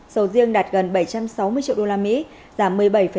sầu riêng đạt gần bảy trăm sáu mươi triệu usd giảm một mươi bảy